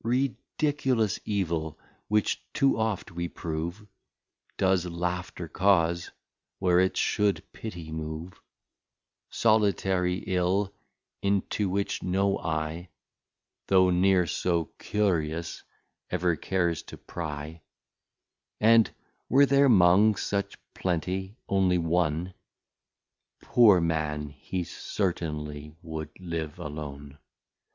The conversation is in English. Rediculous Evil which too oft we prove, Does Laughter cause, where it should Pitty move; Solitary Ill, into which no Eye, Though ne're so Curious, ever cares to pry, And were there, 'mong such plenty, onely One Poor Man, he certainly would live alone.